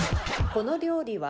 この料理は？